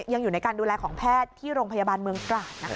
ยังอยู่ในการดูแลของแพทย์ที่โรงพยาบาลเมืองตราดนะคะ